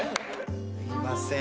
すいません。